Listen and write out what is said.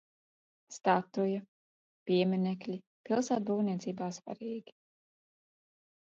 Statuja, pieminekļi pilsētbūvniecībā svarīgi.